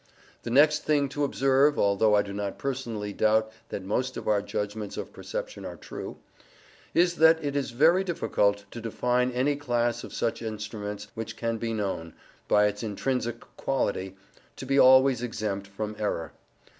The next thing to observe (although I do not personally doubt that most of our judgments of perception are true) is that it is very difficult to define any class of such judgments which can be known, by its intrinsic quality, to be always exempt from error.